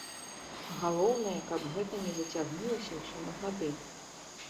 Галоўнае, каб гэта не зацягнулася ўсё на гады!